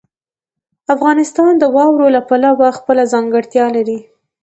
افغانستان د واورو له پلوه خپله ځانګړتیا لري.